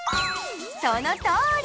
そのとおり！